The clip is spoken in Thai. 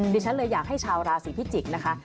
ดิฉันเลยอยากให้ชาวราศีพิจิกษ์นะคะ